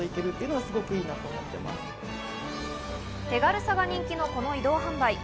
手軽さが人気のこの移動販売。